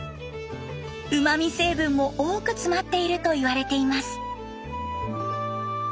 うまみ成分も多く詰まっているといわれています。